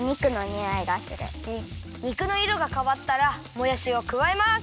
肉のいろがかわったらもやしをくわえます。